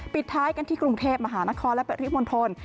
ปิดท้ายกันที่กรุงเทพฯมหานครและประธิบนธนธรรม